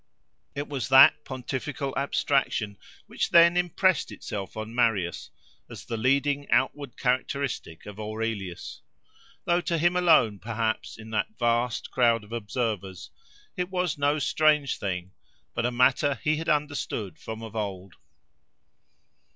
It was that pontifical abstraction which then impressed itself on Marius as the leading outward characteristic of Aurelius; though to him alone, perhaps, in that vast crowd of observers, it was no strange thing, but a matter he had understood from of old.